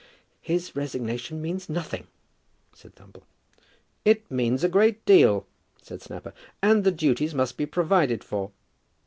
"His resignation means nothing," said Thumble. "It means a great deal," said Snapper; "and the duties must be provided for."